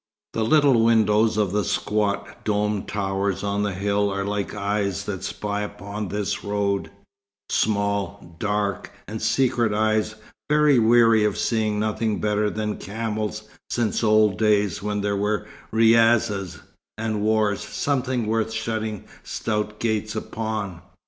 The little windows of the squat, domed towers on the hill are like eyes that spy upon this road, small, dark and secret eyes, very weary of seeing nothing better than camels since old days when there were razzias, and wars, something worth shutting stout gates upon.